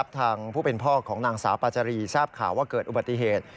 ทางผู้เป็นพ่อของนางสาวปาจารีทราบข่าวว่าเกิดอุบัติเหตุ